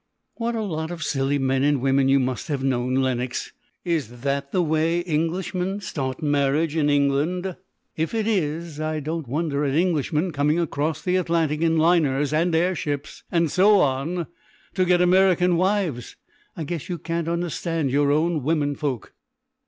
"What a lot of silly men and women you must have known, Lenox. Is that the way Englishmen start marriage in England? If it is, I don't wonder at Englishmen coming across the Atlantic in liners and air ships and so on to get American wives. I guess you can't understand your own womenfolk."